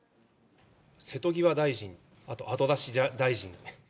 瀬戸際大臣、あと後出し大臣。